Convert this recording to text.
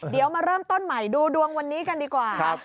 เดี๋ยวมาเริ่มต้นใหม่ดูดวงวันนี้กันดีกว่า